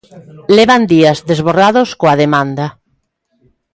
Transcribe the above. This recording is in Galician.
Levan días desbordados coa demanda.